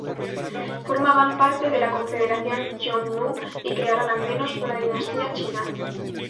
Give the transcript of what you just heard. Formaban parte de la confederación Xiongnu y crearon al menos una dinastía china.